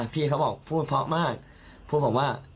พี่เขาบอกพูดเพราะมากพูดผมว่า